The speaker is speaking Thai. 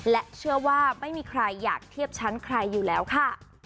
และเชื่อว่าไม่มีใครอยากเทียบชั้นใครอยู่แล้วค่ะ